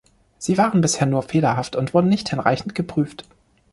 Sie waren bisher nur fehlerhaft und wurden nicht hinreichend geprüft.